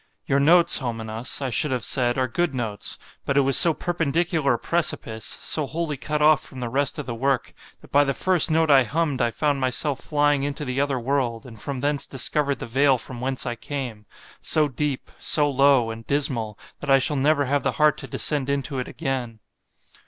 ——Your notes, Homenas, I should have said, are good notes;——but it was so perpendicular a precipice——so wholly cut off from the rest of the work, that by the first note I humm'd I found myself flying into the other world, and from thence discovered the vale from whence I came, so deep, so low, and dismal, that I shall never have the heart to descend into it again.